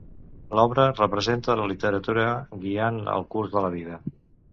L'obra representa la literatura guiant el curs de la vida.